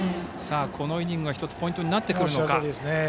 このイニングが１つポイントになってくるのか。